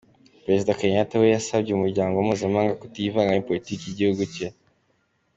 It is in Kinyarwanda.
Perezida Kenyatta we yasabye Umuryango mpuzamahanga kutivanga muri politiki y’igihugu cye.